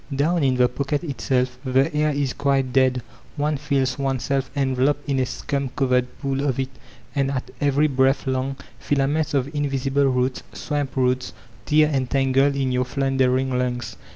Down in the pocket itself the air is quite dead; one feels oneself enveloped in a scum covered pool of it, and at every breath long fila ments of mvisible roots, swamp roots, tear and tangle in your floundering lungs.